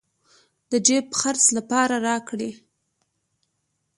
د جېب خرڅ لپاره راكړې.